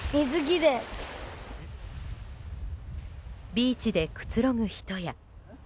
ビーチでくつろぐ人や。